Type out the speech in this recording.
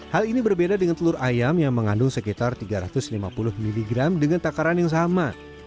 hal ini berbeda dengan telur ayam yang mengandung sekitar tiga ratus lima puluh mg dengan takaran yang sama